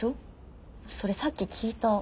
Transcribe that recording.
それさっき聞いた。